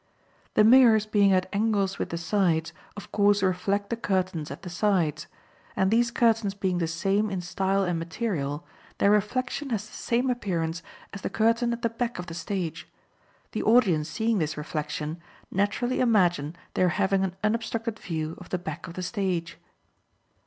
The mirrors being at angles with the sides, of course reflect the curtains at the sides, and these curtains being the same in style and material, their reflection has the same appearance as the curtain at the back of the stage. The audience seeing this reflection naturally imagine they are having an unobstructed view of the back of the stage.